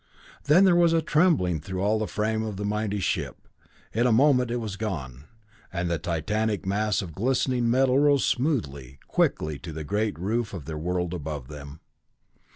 Then there was a trembling through all the frame of the mighty ship. In a moment it was gone, and the titanic mass of glistening metal rose smoothly, quickly to the great roof of their world above them.